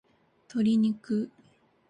鶏肉